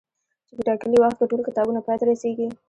چي په ټاکلي وخت کي ټول کتابونه پاي ته رسيږي